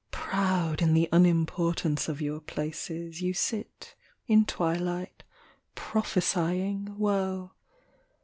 Proud in the unimportance of your places You sit in twilight prophesying woe.